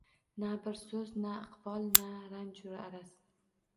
Na bir so’z, na iqbol, na ranju araz.